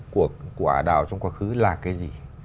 của ả đào trong quá khứ là cái gì